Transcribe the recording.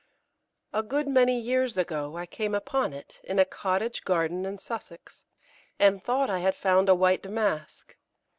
A good many years ago I came upon it in a cottage garden in Sussex, and thought I had found a white Damask.